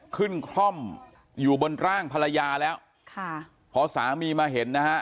คล่อมอยู่บนร่างภรรยาแล้วค่ะพอสามีมาเห็นนะฮะ